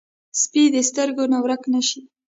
سپي د سترګو نه ورک نه شي.